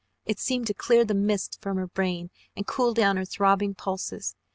It seemed to clear the mists from her brain, and cool down her throbbing pulses.